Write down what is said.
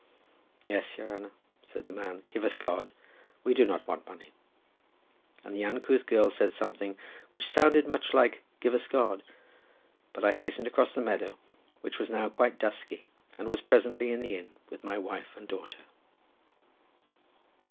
"Yes, your haner," said the man, "Give us God! we do not want money;" and the uncouth girl said something, which sounded much like Give us God! but I hastened across the meadow, which was now quite dusky, and was presently in the inn with my wife and daughter.